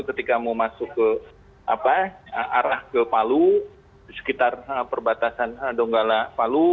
ketika mau masuk ke arah ke palu di sekitar perbatasan donggala palu